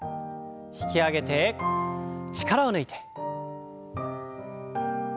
引き上げて力を抜いて。